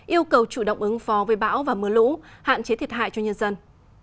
yêu cầu chủ động ứng phó với bão và mưa lũ hạn chế thiệt hại cho nhân dân